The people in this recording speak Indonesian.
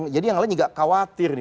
jadi yang lain juga khawatir nih